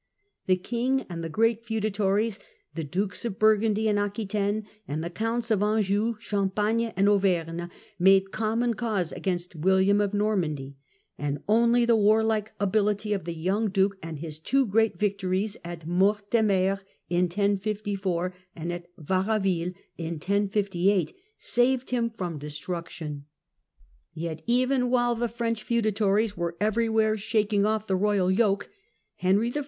The King and the great feudatories, the Dukes of Burgundy and Aquitaine, and the Counts of Anjou, Champagne, and Auvergne, made common cause against William of Nor mandy, and only the w^arlike ability of the young duke, and his two great victories at Mortemer in 1054 and at Varaville in 1058, saved him from destruction. Yet even while the French feudatories were everywhere shaking off" the royal yoke, Henry I.